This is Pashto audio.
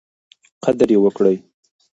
قدر یې وکړئ.